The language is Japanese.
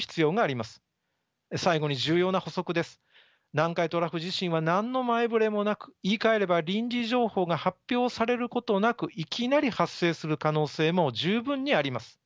南海トラフ地震は何の前触れもなく言いかえれば臨時情報が発表されることなくいきなり発生する可能性も十分にあります。